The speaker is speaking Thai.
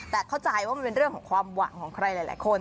แต่เข้าใจว่ามันเป็นเรื่องของความหวังของใครหลายคน